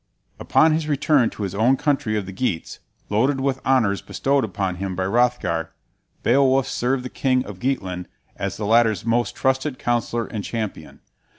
Upon his return to his own country of the Geats, loaded with honors bestowed upon him by Hrothgar, Beowulf served the king of Geatland as the latter's most trusted counsellor and champion.